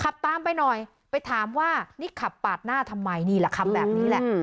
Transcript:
ขับตามไปหน่อยไปถามว่านี่ขับปาดหน้าทำไมนี่แหละขับแบบนี้แหละ